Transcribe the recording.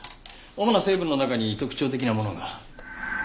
主な成分の中に特徴的なものが。